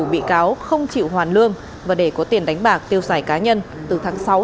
bị cáo không chịu hoàn lương và để có tiền đánh bạc tiêu xài cá nhân từ tháng sáu năm hai nghìn một mươi một